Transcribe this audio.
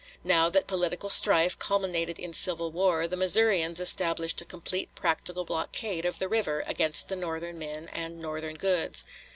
Now that political strife culminated in civil war, the Missourians established a complete practical blockade of the river against the Northern men and Northern goods.